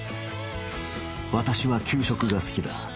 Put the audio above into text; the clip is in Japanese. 私は給食が好きだ